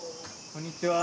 こんにちは。